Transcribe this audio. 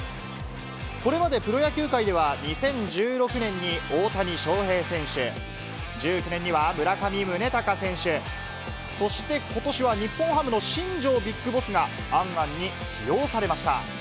これまでプロ野球界では、２０１６年に大谷翔平選手、１９年には村上宗隆選手、そしてことしは、日本ハムの新庄ＢＩＧＢＯＳＳが、ａｎａｎに起用されました。